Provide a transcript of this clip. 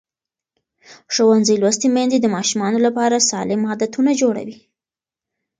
ښوونځې لوستې میندې د ماشومانو لپاره سالم عادتونه جوړوي.